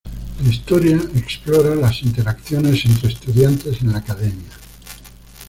La historia explora las interacciones entre estudiantes en la Academia.